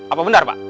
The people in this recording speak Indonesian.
apa benar pak